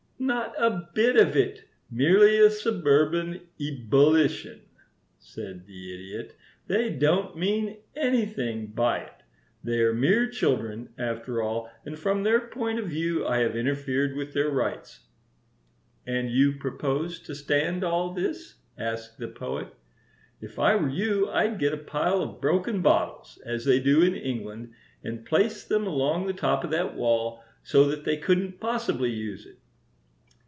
"Not a bit of it. Merely a suburban ebullition," said the Idiot. "They don't mean anything by it. They are mere children, after all, and from their point of view I have interfered with their rights." "And you propose to stand all this?" asked the Poet. "If I were you I'd get a pile of broken bottles, as they do in England, and place them along the top of that wall so that they couldn't possibly use it."